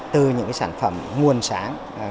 từ những sản phẩm nguồn sáng